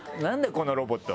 このロボット。